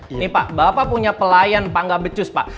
ini pak bapak punya pelayan pangga becus pak